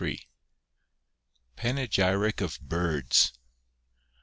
144 ) PANEGYRIC OF BIRDS.